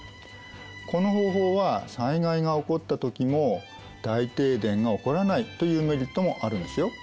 この方法は災害が起こった時も大停電が起こらないというメリットもあるんですよ。